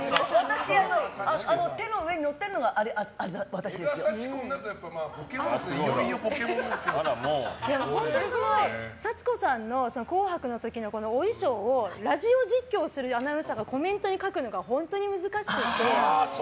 手の上に乗ってるのがメガ幸子になると本当に幸子さんの「紅白」の時のお衣装をラジオ実況するアナウンサーがコメントに書くのが本当に難しくて。